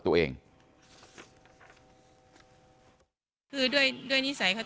สวัสดีครับ